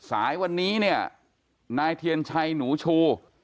สายวันนี้เนี่ยนายเทียนชัยหนูชู